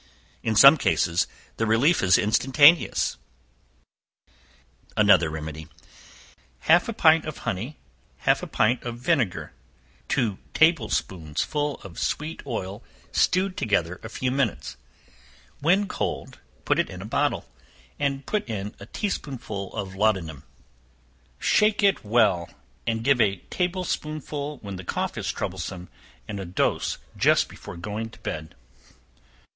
In some cases the relief is instantaneous. Another Remedy. Half a pint of honey, half a pint of vinegar, two table spoonsful of sweet oil stewed together a few minutes; when cold put it in a bottle, and put in a tea spoonful of laudanum; shake it well, and give a table spoonful when the cough is troublesome, and a dose just before going to bed.